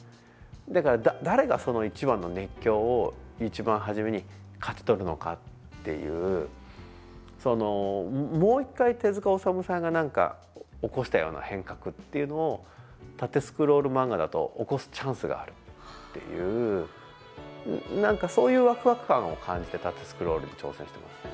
だから、誰が一番の熱狂を一番初めに勝ち取るのかっていうもう１回、手塚治虫さんが起こしたような変革っていうのを縦スクロール漫画だと起こすチャンスがあるっていうそういうワクワク感を感じて縦スクロールに挑戦してますね。